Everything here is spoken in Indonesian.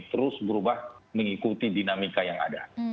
terus berubah mengikuti dinamika yang ada